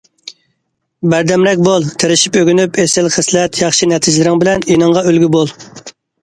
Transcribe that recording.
بەردەمرەك بول، تىرىشىپ ئۆگىنىپ، ئېسىل خىسلەت، ياخشى نەتىجىلىرىڭ بىلەن ئىنىڭغا ئۈلگە بول!!!